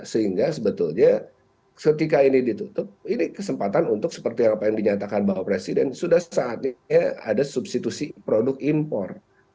sehingga sebetulnya ketika ini ditutup ini kesempatan untuk seperti apa yang dinyatakan bapak presiden sudah saatnya ada substitusi produk impor